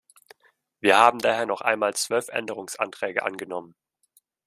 Wir haben daher noch einmal zwölf Änderungsanträge angenommen.